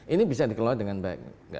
ini bisa dikelola dengan baik